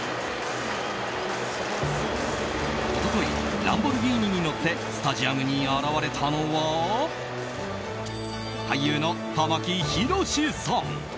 一昨日ランボルギーニに乗ってスタジアムに現れたのは俳優の玉木宏さん。